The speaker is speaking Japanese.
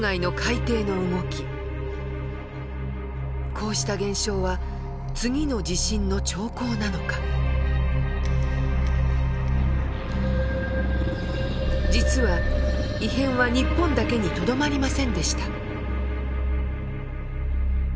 こうした現象は実は異変は日本だけにとどまりませんでした。